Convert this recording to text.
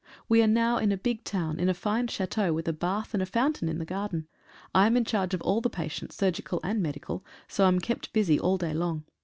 We are now in a big town, in a fine chateau, with a bath and a fountain in the garden. I am in charge of all the patients, surgical and medical, so am kept busy all day long.